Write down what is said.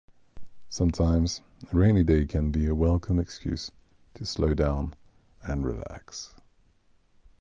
Sometimes a rainy day can be a welcome excuse to slow down and relax.